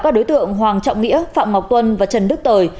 các đối tượng hoàng trọng nghĩa phạm ngọc tuân và trần đức tời